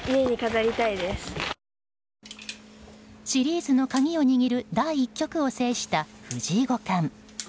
シリーズの鍵を握る第１局を制した藤井五冠。